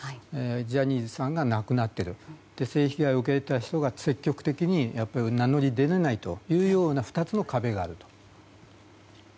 ジャニーさんが亡くなっている性被害を受けた人が積極的に名乗り出れないという２つの壁があると。